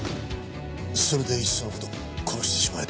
それでいっその事殺してしまえと思ったわけだ？